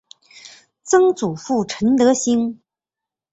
曾祖父陈德兴。